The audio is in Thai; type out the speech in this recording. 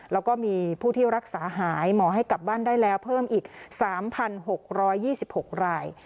แล้วก็มีผู้ที่รักษาหายหมอให้กลับบ้านได้แล้วเพิ่มอีกสามพันหกร้อยยี่สิบหกราย